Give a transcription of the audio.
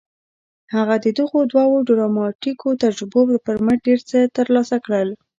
هغه د دغو دوو ډراماتيکو تجربو پر مټ ډېر څه ترلاسه کړل.